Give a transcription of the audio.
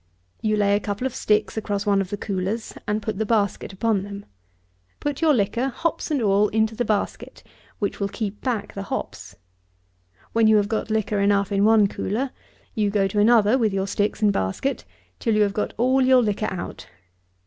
You lay a couple of sticks across one of the coolers, and put the basket upon them. Put your liquor, hops and all, into the basket, which will keep back the hops. When you have got liquor enough in one cooler, you go to another with your sticks and basket, till you have got all your liquor out.